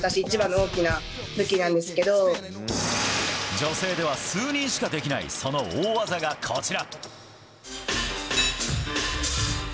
女性では数人しかできないその大技が、こちら。